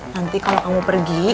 nanti kalau kamu pergi